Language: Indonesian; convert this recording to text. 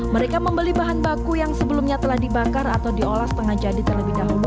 mereka membeli bahan baku yang sebelumnya telah dibakar atau diolah setengah jadi terlebih dahulu